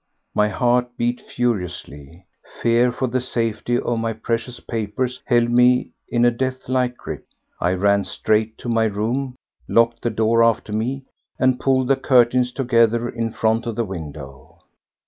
My heart beat furiously. Fear for the safety of my precious papers held me in a death like grip. I ran straight to my room, locked the door after me, and pulled the curtains together in front of the window.